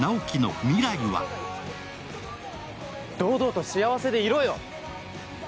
堂々と幸せでいろよ。